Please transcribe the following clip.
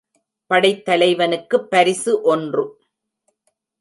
படைத்தலைவனுக்குப் பரிசு ஒன்று.